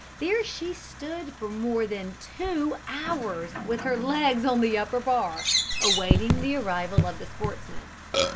There she stood for more than two hours, with her legs on the upper bar, awaiting the arrival of the sportsman.